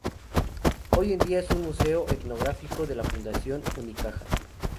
Hoy en día es un museo etnográfico de la fundación Unicaja.